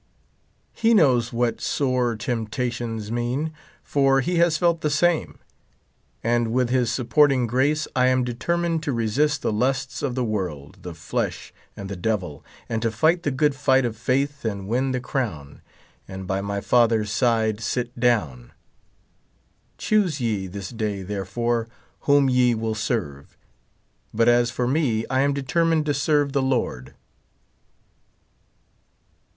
He knows what sore temi>tations mean, for he lias felt the same ; and witli his sui)porting <rrace I am determined to resist the lusts of the world, the flesh, and the devil, and to fight the good fight of faith and win the crown, and by my Father's side sit down. Choose ye this day, therefore, wliom ye will serve ; but as for me, I am determined to serve the Lord.